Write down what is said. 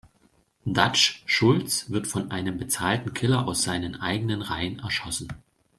Dutch Schultz wird von einem bezahlten Killer aus seinen eigenen Reihen erschossen.